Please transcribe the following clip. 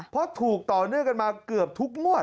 เพราะถูกต่อเนื่องกันมาเกือบทุกงวด